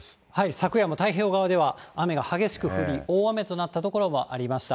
昨夜も太平洋側では雨が激しく降り、大雨となった所もありました。